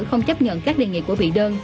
không chấp nhận các đề nghị của bị đơn